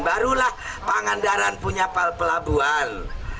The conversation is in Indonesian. barulah pangandaran punya pelabuhan